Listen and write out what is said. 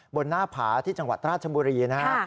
บนหน้าผาที่จังหวัดราชบุรีนะฮะ